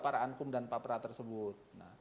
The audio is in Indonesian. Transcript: para ankum dan papra tersebut